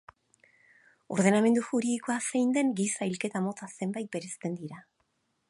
Ordenamendu juridikoa zein den, giza hilketa mota zenbait bereizten dira.